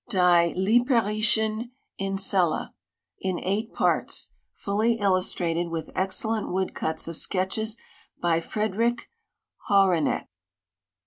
Die Liparisclien Lmda. In eight Parts, fully illustrated with excellent wood cuts of Sket(dies by F redricb Hawranek.